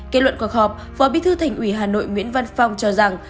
kết luận cuộc họp phó bí thư thành ủy hà nội nguyễn văn phong cho rằng